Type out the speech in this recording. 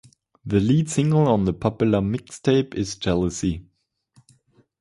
The lead single on the popular mixtape is "Jealousy".